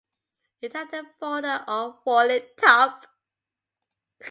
It had a folding or falling top.